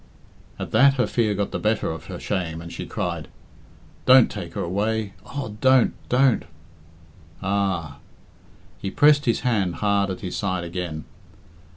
At that her fear got the better of her shame, and she cried, "Don't take her away. Oh, don't, don't!" "Ah!" He pressed his hand hard at his side again.